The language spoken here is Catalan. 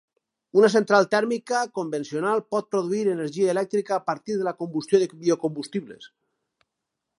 Una central tèrmica convencional pot produir energia elèctrica a partir de la combustió de biocombustibles.